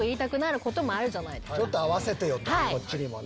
ちょっと合わせてよ！とこっちにもね。